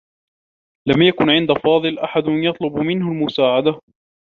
لم يكن عند فاضل أحد يطلب منه المساعدة.